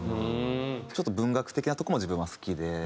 ちょっと文学的なとこも自分は好きで。